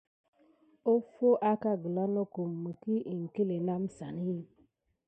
Offo akà gula nakum miki iŋklé nasane kiza wukayam anba.